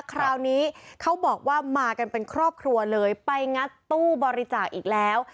คราวนี้เขาบอกว่ามากันเป็นครอบครัวเลยไปงัดตู้บริจาคอีกแล้ว